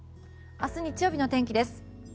明日、日曜日の天気です。